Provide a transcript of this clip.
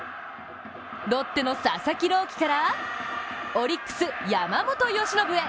ロッテの佐々木朗希からオリックス・山本由伸へ。